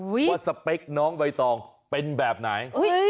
ว่าสเปคน้องใบตองเป็นแบบไหน